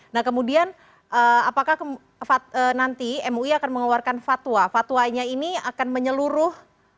nah kemudian apakah nanti mui akan mengeluarkan fatwa fatwanya ini akan menyeluruh